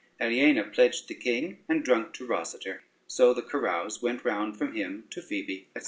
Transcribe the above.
Aliena pledged the king, and drunk to Rosader; so the carouse went round from him to Phoebe, &c.